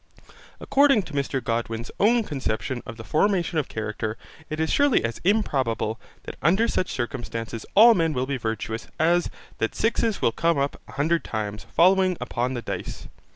According to Mr Godwin's own conception of the formation of character, it is surely as improbable that under such circumstances all men will be virtuous as that sixes will come up a hundred times following upon the dice.